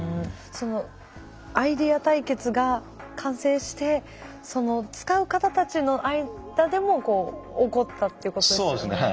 そのアイデア対決が完成してその使う方たちの間でも起こったってことですよね。